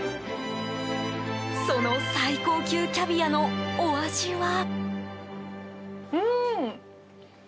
その最高級のキャビアのお味は？